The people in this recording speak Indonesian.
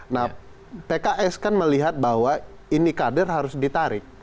nah pks kan melihat bahwa ini kader harus ditarik